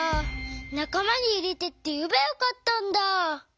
「なかまにいれて」っていえばよかったんだ。